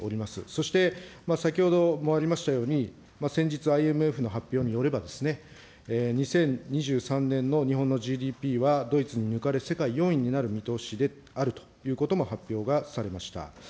そして、先ほどもありましたように、先日、ＩＭＦの発表によればですね、２０２３年の日本のＧＤＰはドイツに抜かれ世界４位になる見通しであるということも発表がされました。